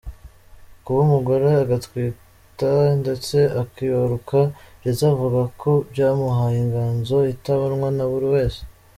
Kuba umugore agatwita ndetse akibaruka, Liza avuga ko byamuhaye inganzo itabonwa na buri wese.